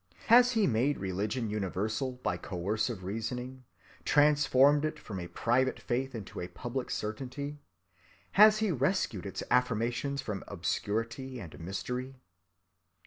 Has he made religion universal by coercive reasoning, transformed it from a private faith into a public certainty? Has he rescued its affirmations from obscurity and mystery?